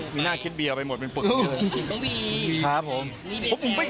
หวีน่าคิดบีเอาไปหมดเป็นปลึกกันเนี่ย